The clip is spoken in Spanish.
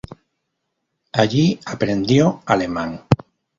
Allí aprendió alemán.